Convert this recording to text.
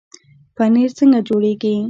پنیر څنګه جوړیږي؟